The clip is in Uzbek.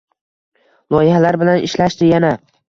Loyihalar bilan ishlashdi yana.